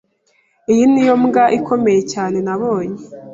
Iyi niyo mbwa ikomeye cyane nabonye.